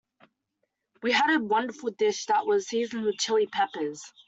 We had a wonderful dish that was seasoned with Chili Peppers.